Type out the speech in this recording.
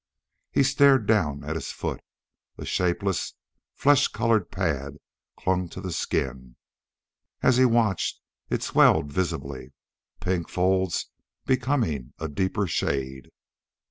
He stared down at his foot. A shapeless, flesh colored pad clung to the skin. As he watched, it swelled visibly, the pink folds becoming a deeper shade.